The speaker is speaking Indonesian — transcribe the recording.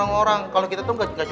nanti pada jadikan ke kafe